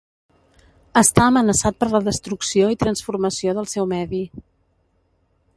Està amenaçat per la destrucció i transformació del seu medi.